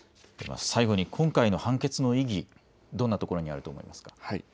最後に、今回の判決の意義、どんなところにあると思いますか。